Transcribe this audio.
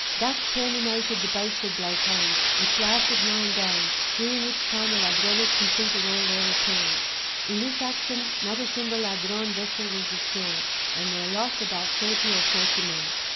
Thus terminated the boasted blockade, which lasted nine days, during which time the Ladrones completed all their repairs. In this action not a single Ladrone vessel was destroyed, and their loss about thirty or forty men.